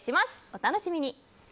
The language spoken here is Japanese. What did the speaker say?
お楽しみに。